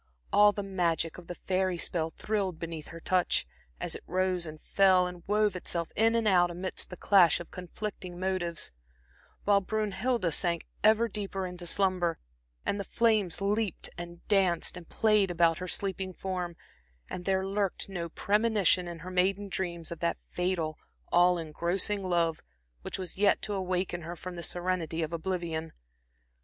All the magic of the fairy spell thrilled beneath her touch, as it rose and fell and wove itself in and out amidst the clash of conflicting motives, while Brünnhilde sank ever deeper into slumber, and the flames leaped and danced and played about her sleeping form, and there lurked no premonition in her maiden dreams of that fatal, all engrossing love, which was yet to awaken her from the serenity of oblivion.